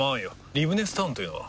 リブネスタウンというのは？